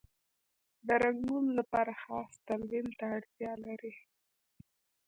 د رنګولو لپاره خاص تلوین ته اړتیا لري.